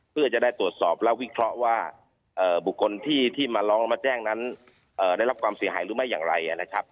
เพื่อจะได้ตรวจสอบและวิเคราะห์ว่าบุคคลที่มาร้องมาแจ้งนั้นได้รับความเสียหายหรือไม่อย่างไรนะครับ